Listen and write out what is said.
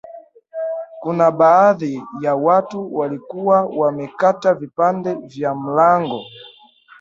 Kuna baadhi ya watu walikuwa wanakata vipande vya mlango